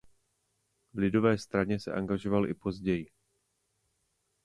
V lidové straně se angažoval i později.